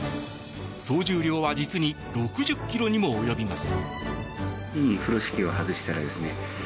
総重量は実に６０ｋｇにも及びます。